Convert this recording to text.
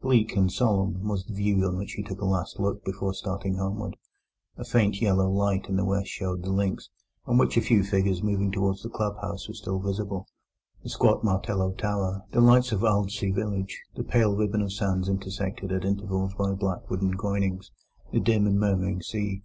Bleak and solemn was the view on which he took a last look before starting homeward. A faint yellow light in the west showed the links, on which a few figures moving towards the club house were still visible, the squat martello tower, the lights of Aldsey village, the pale ribbon of sands intersected at intervals by black wooden groynings, the dim and murmuring sea.